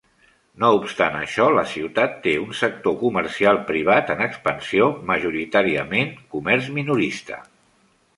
No obstant això, la ciutat té un sector comercial privat en expansió, majoritàriament comerç minorista.